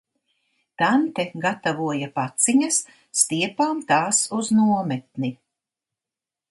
Tante gatavoja paciņas, stiepām tās uz nometni.